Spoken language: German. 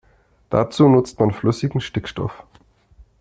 Dazu nutzt man flüssigen Stickstoff.